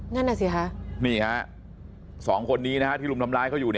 นั่นแหละสิครับนี่ครับ๒คนนี้ที่รุมทำร้ายเขาอยู่